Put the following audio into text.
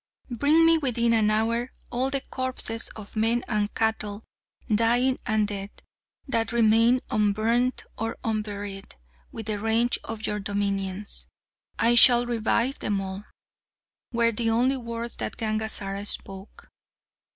"Bring me within an hour all the corpses of men and cattle, dying and dead, that remain unburnt or unburied within the range of your dominions; I shall revive them all," were the only words that Gangazara spoke.